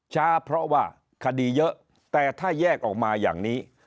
ช้าเพราะว่าคดีเยอะแต่ถ้าแยกออกมาอย่างนี้